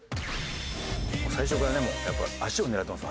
最初からねやっぱ足を狙ってます